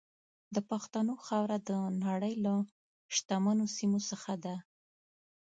د پښتنو خاوره د نړۍ له شتمنو سیمو څخه ده.